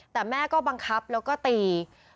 แต่แม่ก็บังคับแล้วก็ตี